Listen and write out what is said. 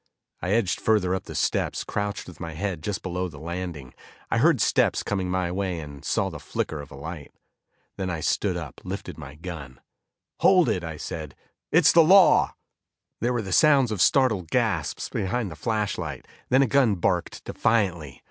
I edged further up the steps, crouched with my head just below the landing. I heard steps coming my way and saw the flicker of a light. Then I stood up, lifted my gun. "Hold it," I said, "It's the law." There were the sounds of startled gasps behind the flashlight, then a gun barked defiantly.